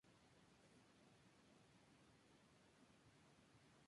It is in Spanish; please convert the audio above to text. Otro de los motivos del distanciamiento fue la proximidad de la elección presidencial.